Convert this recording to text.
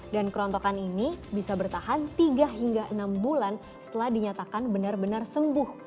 dan kerontokan ini bisa bertahan tiga hingga enam bulan setelah dinyatakan benar benar sembuh